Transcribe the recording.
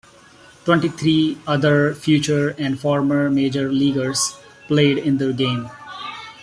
Twenty-three other future and former major leaguers played in the game.